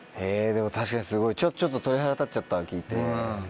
でも確かにすごいちょっと鳥肌が立っちゃった聞いて。